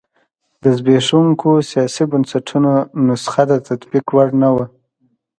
د زبېښونکو سیاسي بنسټونو نسخه د تطبیق وړ نه وه.